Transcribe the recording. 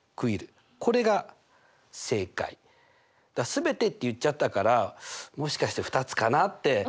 「全て」って言っちゃったからもしかして２つかなって。